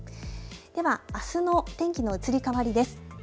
ではあすの天気の移り変わりです。